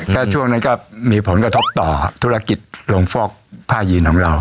ก็ช่วงนั้นก็มีผลกระทบต่อธุรกิจลงฟอกผ้ายีนของเรา